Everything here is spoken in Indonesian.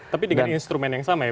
tapi dengan instrumen yang sama ya